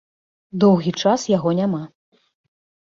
Доўгі час яго няма.